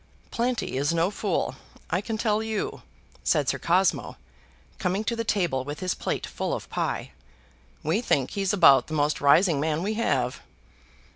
"Planty is no fool, I can tell you," said Sir Cosmo, coming to the table with his plate full of pie. "We think he's about the most rising man we have."